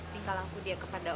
tinggal aku dia kepada ola